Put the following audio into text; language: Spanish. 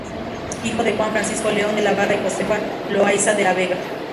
Hijo de Juan Francisco León de la Barra y Josefa Loayza de la Vega.